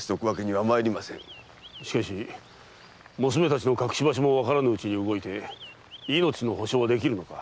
しかし娘たちの隠し場所もわからぬうちに動いて命の保証はできるのか？